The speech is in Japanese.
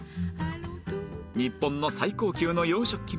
日本の最高級の洋食器